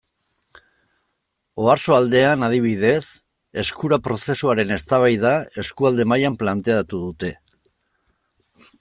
Oarsoaldean, adibidez, Eskura prozesuaren eztabaida eskualde mailan planteatu dute.